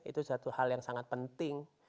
itu satu hal yang sangat penting